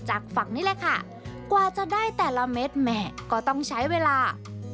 แต่สังพาระเม็ดแหมก็ต้องใช้เวลา